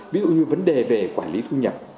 ví dụ như vấn đề về quản lý thu nhập